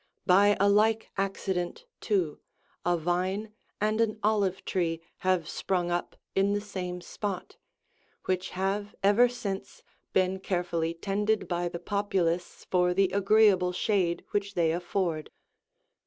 By a like accident, too, a vine and an olive tree have sprung up in the same spot,76 which have ever since been carefully tended by the populace for the agreeable shade which they afford.